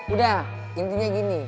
udah intinya gini